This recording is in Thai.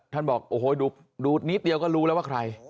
บอกโอ้โหดูนิดเดียวก็รู้แล้วว่าใคร